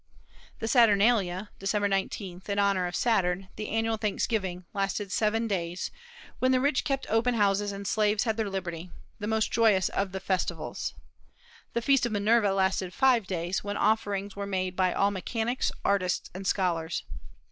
The Saturnalia, December 19, in honor of Saturn, the annual Thanksgiving, lasted seven days, when the rich kept open house and slaves had their liberty, the most joyous of the festivals. The feast of Minerva lasted five days, when offerings were made by all mechanics, artists, and scholars.